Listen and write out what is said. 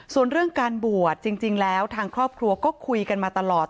ส่วนเรื่องการบวชจริงแล้วทางครอบครัวก็คุยกันมาตลอด